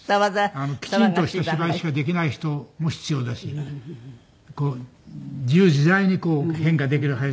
きちんとした芝居しかできない人も必要だし自由自在に変化できる俳優さんも必要なんですね。